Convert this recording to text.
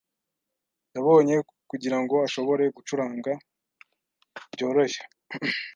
Yabonye kugirango ashobore gucuranga byoroshye.